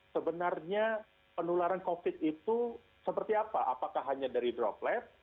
sebenarnya penularan covid itu seperti apa apakah hanya dari droplet